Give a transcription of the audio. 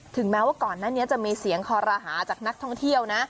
แม้ว่าก่อนหน้านี้จะมีเสียงคอรหาจากนักท่องเที่ยวนะ